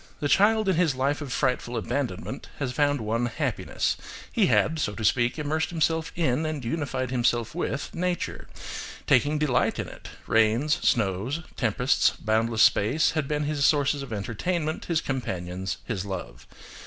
The child in his life of frightful abandonment had found one happiness; he had, so to speak, immersed himself in, and unified himself with, nature, taking delight in it–rains, snow, tempests, boundless space, had been his sources of entertainment, his companions, his love.